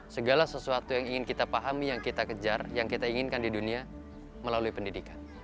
segala sesuatu yang ingin kita pahami yang kita kejar yang kita inginkan di dunia melalui pendidikan